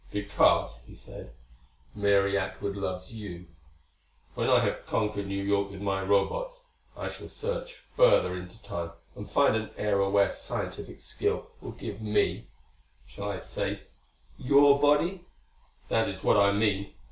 "Because," he said, "Mary Atwood loves you. When I have conquered New York with my Robots, I shall search further into Time and find an era where scientific skill will give me shall I say, your body? That is what I mean.